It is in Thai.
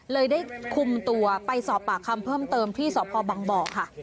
เลยได้คุมตัวไปสอบปากคำเพิ่มเติมที่สพบังบ่อค่ะ